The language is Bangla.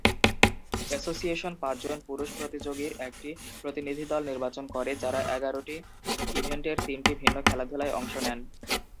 এসোসিয়েশন পাঁচজন পুরুষ প্রতিযোগীর একটি প্রতিনিধিদল নির্বাচন করে, যারা এগারটি ইভেন্টের তিনটি ভিন্ন খেলাধুলায় নেন।